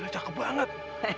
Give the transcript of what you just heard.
gila cakep banget